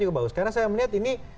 juga bagus karena saya melihat ini